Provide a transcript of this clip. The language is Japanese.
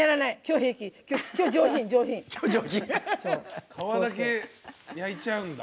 皮だけ焼いちゃうんだ。